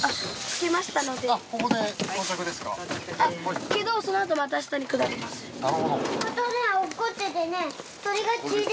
けどそのあとまた下にくだります。